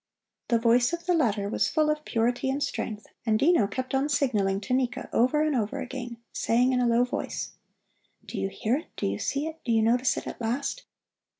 The voice of the latter was full of purity and strength, and Dino kept on signalling to Nika over and over again, saying in a low voice: "Do you hear it? Do you see it? Do you notice it at last?"